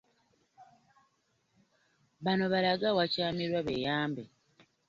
Bano balage awakyamirwa beeyambe.